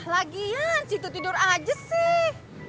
lagian situ tidur aja sih